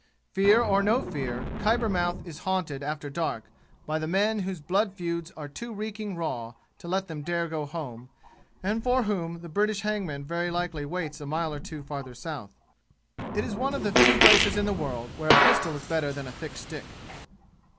Fear or no fear, Khyber mouth is haunted after dark by the men whose blood feuds are too reeking raw to let them dare go home and for whom the British hangman very likely waits a mile or two farther south. It is one of the few places in the world where a pistol is better than a thick stick.